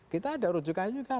kita ada rujukan juga